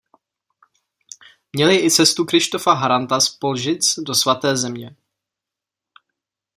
Měli i cestu Krištofa Haranta z Polžic do svaté země.